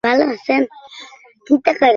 আমাকে জোর করা হয়েছিল যাতে তোমাকে গর্ভে ধারণ করি।